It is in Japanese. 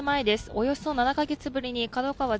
およそ７カ月ぶりにＫＡＤＯＫＡＷＡ